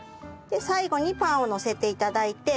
で最後にパンをのせて頂いて。